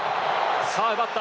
さあ、奪った。